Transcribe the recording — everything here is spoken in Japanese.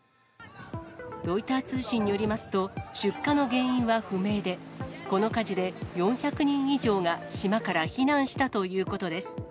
ロイター通信によりますと、出火の原因は不明で、この火事で４００人以上が島から避難したということです。